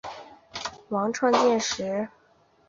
王剑钻石还将运送货物和人员至低地球轨道。